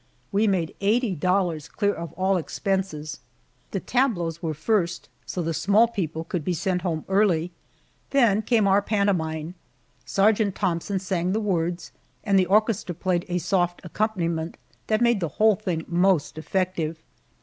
We made eighty dollars, clear of all expenses. The tableaux were first, so the small people could be sent home early. Then came our pantomime. Sergeant Thompson sang the words and the orchestra played a soft accompaniment that made the whole thing most effective.